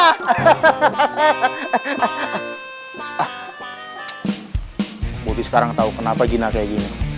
ah bobi sekarang tau kenapa gina kayak gini